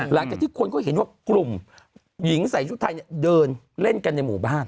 หลังจากที่คนก็เห็นว่ากลุ่มหญิงใส่ชุดไทยเดินเล่นกันในหมู่บ้าน